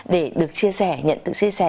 để được chia sẻ nhận được chia sẻ